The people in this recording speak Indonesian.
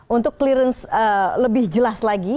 untuk clearance lebih jelas lagi